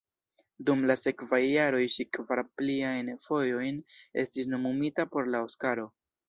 Dum la sekvaj jaroj ŝi kvar pliajn fojojn estis nomumita por la Oskaro.